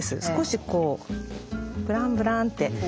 少しこうブランブランて。